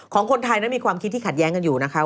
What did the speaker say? ของคนไทยนั้นมีความคิดที่ขัดแย้งกันอยู่นะคะ